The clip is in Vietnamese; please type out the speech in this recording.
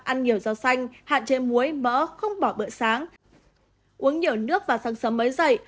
ăn nhiều rau xanh hạn chế muối mỡ không bỏ bữa sáng uống nhiều nước và sáng sớm mới dậy